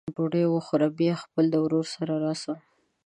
ډوډۍ وخوره بیا خپل د ورور سره راسه!